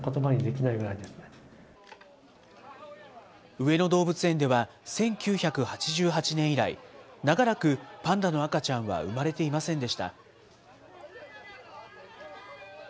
上野動物園では、１９８８年以来、長らくパンダの赤ちゃんは生まれていませんでした。